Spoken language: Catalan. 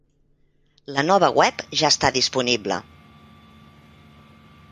La nova web ja està disponible.